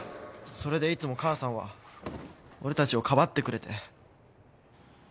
それでいつも母さんは俺たちをかばってくれて。